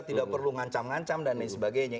tidak perlu ngancam ngancam dan lain sebagainya